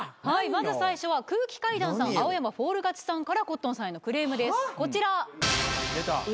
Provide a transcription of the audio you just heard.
まず最初は空気階段さん青山フォール勝ちさんからコットンさんへのクレームですこちら。